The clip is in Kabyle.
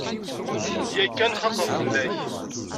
Yakan xaqeɣ fell-ak.